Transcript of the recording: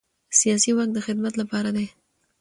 سیاسي واک د خدمت لپاره دی